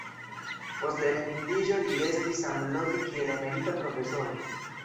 Post la emeritiĝo li restis samloke kiel emerita profesoro.